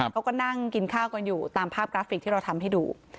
เขาก็นั่งกินข้าวกันอยู่ตามภาพกราฟิกที่เราทำให้ดู